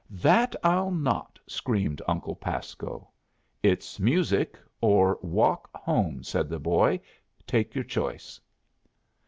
"That I'll not!" screamed Uncle Pasco. "It's music or walk home," said the boy. "Take your choice."